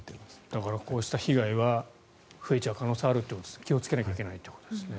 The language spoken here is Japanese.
だから、こうした被害は増えちゃう可能性があるということで気をつけないといけないですね。